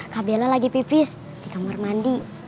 kak bella lagi pipis di kamar mandi